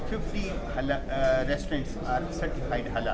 lebih dari lima puluh restoran adalah halal yang disertifikasi